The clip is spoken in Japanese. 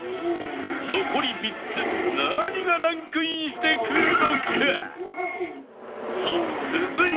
残り３つ何がランクインしてくるのか？